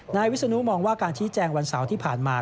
นายวิศนุมองว่าการชี้แจงวันเสาร์ที่ผ่านมา